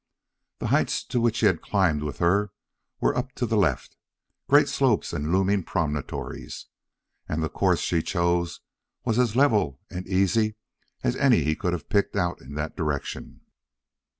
The heights to which he had climbed with her were up to the left, great slopes and looming promontories. And the course she chose was as level and easy as any he could have picked out in that direction.